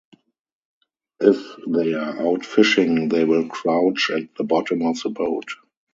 If they are out fishing, they will crouch at the bottom of the boat.